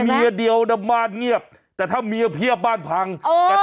เมียเดียวนะบ้านเงียบแต่ถ้าเมียเพียบบ้านพังแก